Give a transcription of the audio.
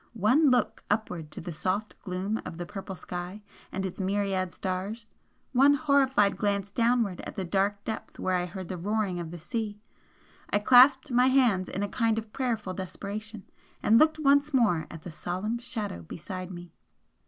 One look upward to the soft gloom of the purple sky and its myriad stars one horrified glance downward at the dark depth where I heard the roaring of the sea! I clasped my hands in a kind of prayerful desperation, and looked once more at the solemn Shadow beside me.